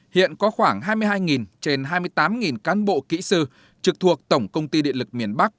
hiện có khoảng hai mươi hai trên hai mươi tám cán bộ kỹ sư trực thuộc tổng công ty điện lực miền bắc